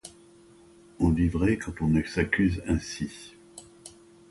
On dit vrai quand on s’accuse ainsi